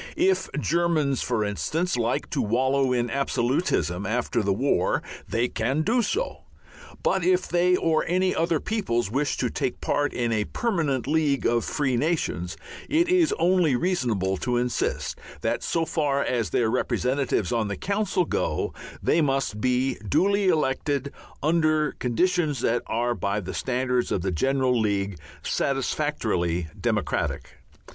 If Germans, for instance, like to wallow in absolutism after the war they can do so. But if they or any other peoples wish to take part in a permanent League of Free Nations it is only reasonable to insist that so far as their representatives on the council go they must be duly elected under conditions that are by the standards of the general league satisfactorily democratic.